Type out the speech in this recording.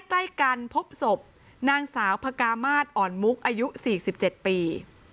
ใกล้กันพบศพนางสาวพกามาศอ่อนมุกอายุ๔๗ปี